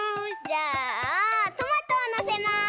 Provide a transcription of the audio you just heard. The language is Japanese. じゃあトマトをのせます。